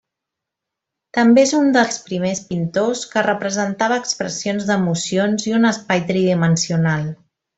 També és un dels primers pintors que representava expressions d'emocions i un espai tridimensional.